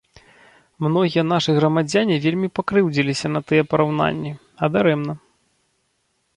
Многія нашы грамадзяне вельмі пакрыўдзіліся на тыя параўнанні, а дарэмна.